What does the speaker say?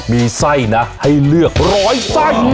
มีไส้นะให้เลือกร้อยไส้